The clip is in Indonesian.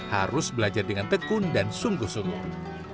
harus belajar dengan tekun dan sungguh sungguh